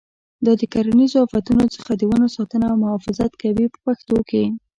دا د کرنیزو آفتونو څخه د ونو ساتنه او محافظت کوي په پښتو کې.